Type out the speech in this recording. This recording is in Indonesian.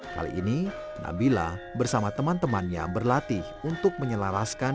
kali ini nabila bersama teman temannya berlatih untuk menyelaraskan